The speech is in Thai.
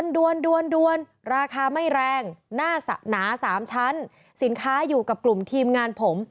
ดวนราคาไม่แรงหน้าหนา๓ชั้นสินค้าอยู่กับกลุ่มทีมงานผม